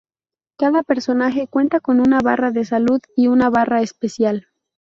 Cada personaje cuenta con una barra de salud y una barra especial.